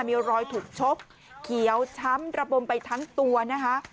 มีรอยถูกชกเขียวช้ำระบมไปทั้งตัวนะคะ